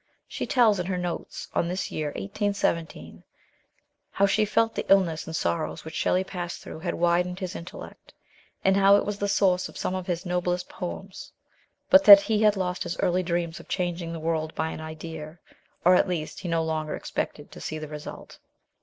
She tells, in her notes on this year 1817, how she felt the illness and sorrows which Shelley passed through had widened his intellect, and how it was the source of some of his noblest poems, but that he had lost his early dreams of changing the world by an idea, or, at least, he no longer expected to see the result.